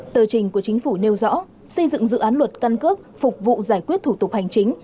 tờ trình của chính phủ nêu rõ xây dựng dự án luật căn cước phục vụ giải quyết thủ tục hành chính